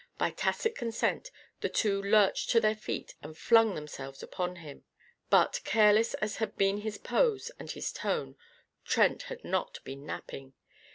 By tacit consent, the two lurched to their feet and flung themselves upon him. But, careless as had been his pose and his tone, Trent had not been napping.